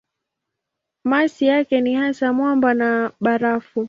Masi yake ni hasa mwamba na barafu.